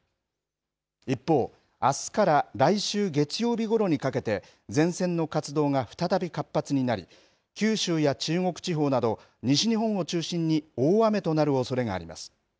一方、あすから来週月曜日ごろにかけて前線の活動が再び活発になり九州や中国地方など西日本を中心に大雨となるおそれがあります。